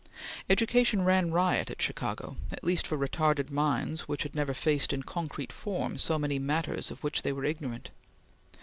Education ran riot at Chicago, at least for retarded minds which had never faced in concrete form so many matters of which they were ignorant.